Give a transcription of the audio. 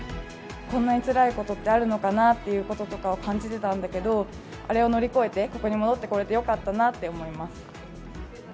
こんなにつらいことってあるのかなということを感じてたんだけど、あれを乗り越えて、ここに戻ってこれてよかったなって思います。